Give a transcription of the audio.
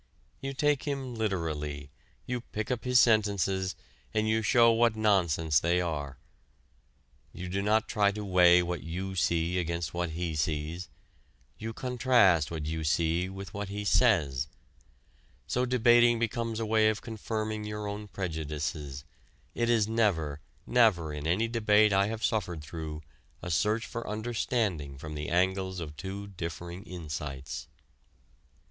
You take him literally, you pick up his sentences, and you show what nonsense they are. You do not try to weigh what you see against what he sees; you contrast what you see with what he says. So debating becomes a way of confirming your own prejudices; it is never, never in any debate I have suffered through, a search for understanding from the angles of two differing insights.